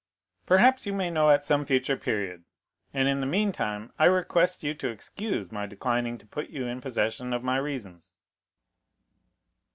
"Perhaps you may know at some future period, and in the mean time I request you to excuse my declining to put you in possession of my reasons."